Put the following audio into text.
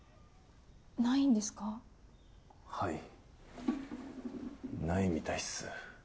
ないんですか？はいないみたいっす。